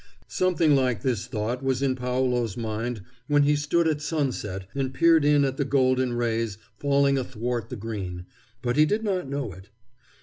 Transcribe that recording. Something like this thought was in Paolo's mind when he stood at sunset and peered in at the golden rays falling athwart the green, but he did not know it.